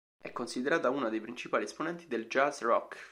È considerata una dei principali esponenti del jazz-rock.